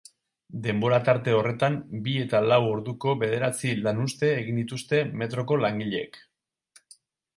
Denbora tarte horretan bi eta lau orduko bederatzi lanuzte egin dituzte metroko langileek.